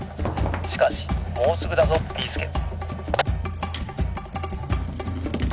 しかしもうすぐだぞビーすけ！」。